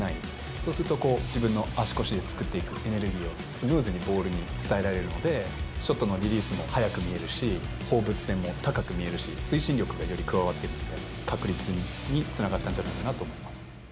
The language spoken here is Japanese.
そうすると、こう、自分の足腰を作っていくエネルギーをスムーズにボールに伝えられるので、ショットのリリースも速く見えるし、放物線も高く見えるし、推進力もより加わって、確率につながったんじゃないかなと思いま